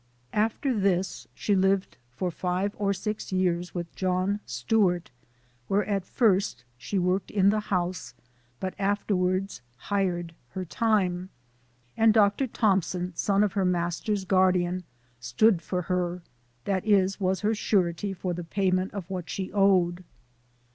" After this she lived for five or six years with John Stewart, where at first she worked in the house, but afterwards ' hired her time,' and Dr. Thompson, son of her master's guardian, ' stood for her,' that is, was her surety for the payment of what she owed.